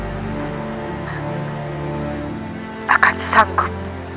tidak akan sanggup